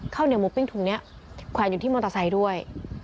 ข้าวเหนียวหมูปิ้งถุงนี้แขวนอยู่ที่มอเตอร์ไซค์ด้วย